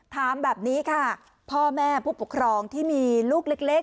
ถามแบบนี้ค่ะพ่อแม่ผู้ปกครองที่มีลูกเล็ก